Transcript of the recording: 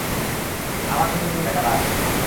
আমার চোখের দিকে তাকা, দাস।